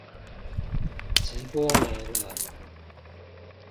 直播沒了